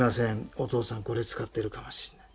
お父さんこれ使ってるかもしれない。